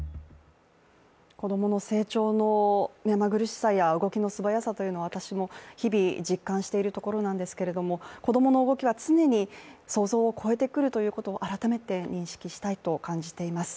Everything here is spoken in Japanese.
子供の成長の目まぐるしさや動きの素早さというのは、私も日々、実感しているところなんですけれども、子供の動きは常に想像を超えてくるということを改めて認識したいと感じています。